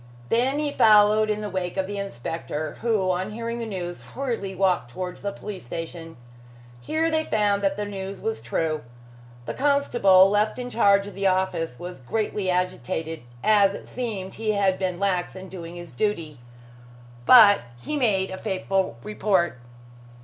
Then he followed in the wake of the inspector, who on hearing the news, hurriedly walked towards the police station. Here they found that the news was true. The constable left in charge of the office was greatly agitated, as it seemed he had been lax in doing his duty. But he made a faithful report.